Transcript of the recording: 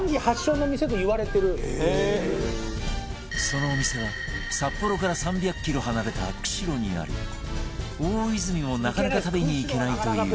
そのお店は札幌から３００キロ離れた釧路にあり大泉もなかなか食べに行けないという